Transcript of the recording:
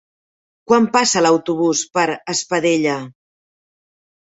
Quan passa l'autobús per Espadella?